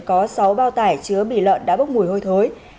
có sáu bao tải chứa bị lợn đã bốc mùi hôi thối